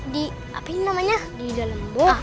di dalam box